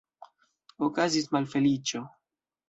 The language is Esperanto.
Okazis malfeliĉo!